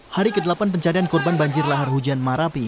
hari ke delapan pencarian korban banjir lahar hujan marapi